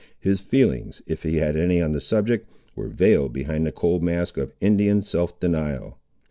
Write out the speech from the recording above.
His feelings, if he had any on the subject, were veiled behind the cold mask of Indian self denial.